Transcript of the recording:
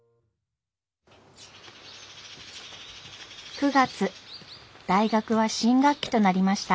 ９月大学は新学期となりました。